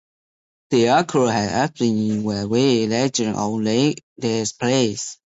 Del Arco has appeared in a wide range of live theatrical plays.